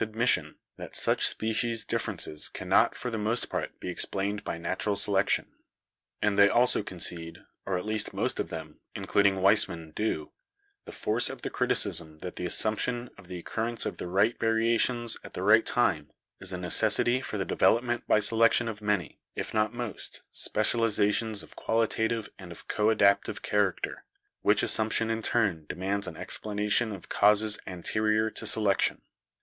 admission that such species differences cannot for the most part be explained by natural selection. And they also concede, or at least most of them, including Weis mann, do, the force of the criticism that the assumption of the occurrence of the right variations at the right time is a necessity for the development by selection of many, if not most, specializations of qualitative and of coadaptive character, which assumption in turn demands an explanation of causes anterior to selection.